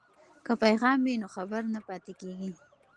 که پیغام وي نو خبر نه پاتې کیږي.